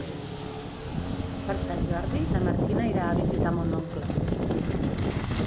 Per Sant Jordi na Martina irà a visitar mon oncle.